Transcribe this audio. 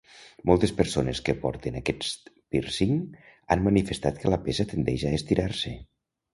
Moltes persones que porten aquest pírcing han manifestat que la peça tendeix a estirar-se.